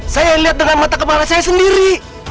saya lihat dengan mata kepala saya sendiri